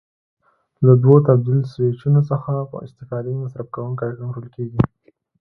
له دوو تبدیل سویچونو څخه په استفادې مصرف کوونکی کنټرول کېږي.